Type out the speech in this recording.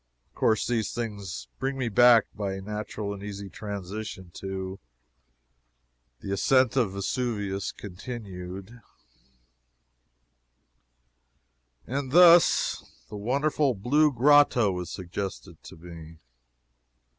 Of course these things bring me back, by a natural and easy transition, to the ASCENT OF VESUVIUS CONTINUED. And thus the wonderful Blue Grotto is suggested to me.